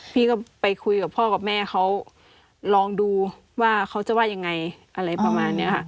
พี่ก็ไปคุยกับพ่อกับแม่เขาลองดูว่าเขาจะว่ายังไงอะไรประมาณนี้ค่ะ